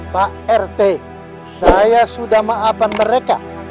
pak rt saya sudah maafkan mereka